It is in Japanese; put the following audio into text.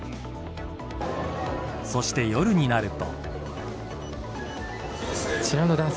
そして夜になると。